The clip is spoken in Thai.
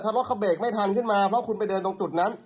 รถเขาเบรกไม่ทันขึ้นมาเพราะคุณไปเดินตรงจุดนั้น